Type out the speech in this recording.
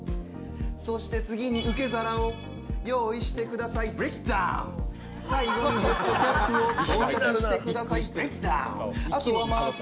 そして次に受け皿を用意してください、最後にヘッドキャップを装着してください、ベキダーン。